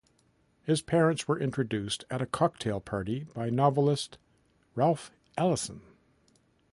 His parents were introduced at a cocktail party by novelist Ralph Ellison.